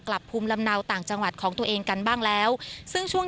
กลับภูมิลำเนาต่างจังหวัดของตัวเองกันบ้างแล้วซึ่งช่วง